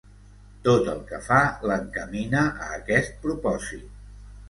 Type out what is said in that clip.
Tot el que fa l'encamina a aquest propòsit.